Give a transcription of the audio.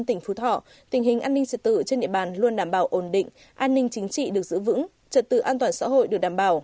tỉnh phú thọ tình hình an ninh trật tự trên địa bàn luôn đảm bảo ổn định an ninh chính trị được giữ vững trật tự an toàn xã hội được đảm bảo